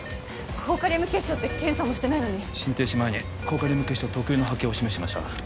高カリウム血症って検査もしてないのに心停止前に高カリウム血症特有の波形を示していました